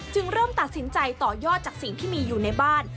เริ่มตัดสินใจต่อยอดจากสิ่งที่มีอยู่ในบ้าน